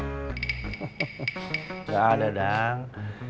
gak ada dang